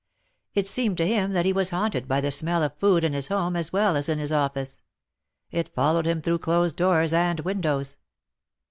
It seemed to him that he was haunted by the smell of food in his home as well as in his office ; it followed him through closed doors and windows.